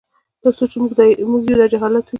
تر څو چي موږ یو داجهالت وي